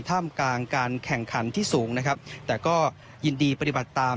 ท่ามกลางการแข่งขันที่สูงนะครับแต่ก็ยินดีปฏิบัติตาม